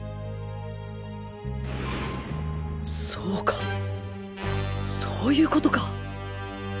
そうかそういうコトか